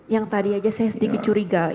yang tadi aja saya sedikit curiga itu ya